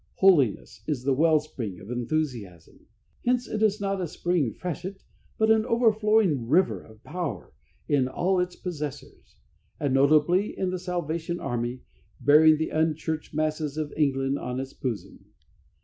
Holiness is the well spring of enthusiasm. Hence it is not a spring freshet, but an overflowing river of power in all its possessors, and, notably in the Salvation Army, bearing the unchurched masses of England on its bosom.